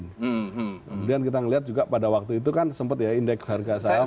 kemudian kita melihat juga pada waktu itu kan sempat ya indeks harga saham